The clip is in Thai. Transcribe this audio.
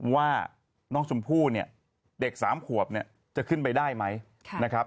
ว่าน้องชมพู่เนี่ยเด็ก๓ขวบเนี่ยจะขึ้นไปได้ไหมนะครับ